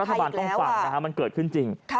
รัฐบาลต้องฟังนะฮะมันเกิดขึ้นจริง